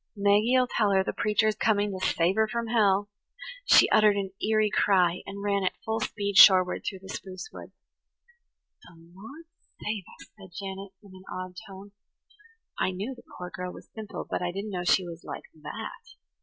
Maggie'll tell her the preacher's coming ter save her from hell." She uttered an eerie cry, and ran at full speed shoreward through the spruce woods. "The Lord save us!" said Janet in an awed tone. "I knew the poor girl was simple, but I didn't know she was like that.